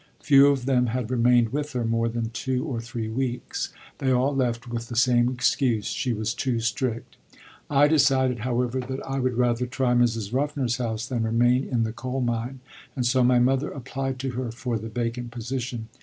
Few of them had remained with her more than two or three weeks. They all left with the same excuse: she was too strict. I decided, however, that I would rather try Mrs. Ruffner's house than remain in the coal mine, and so my mother applied to her for the vacant position.